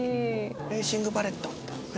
「レーシングバレット」みたいなね。